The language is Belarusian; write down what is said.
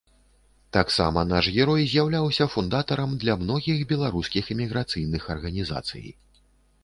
Таксама наш герой з'яўляўся фундатарам для многіх беларускіх эміграцыйных арганізацый.